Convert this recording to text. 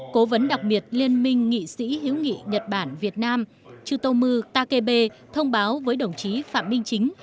cố vấn đặc biệt liên minh nghị sĩ hiếu nghị nhật bản việt nam chư tô mưu takebe thông báo với đồng chí phạm minh chính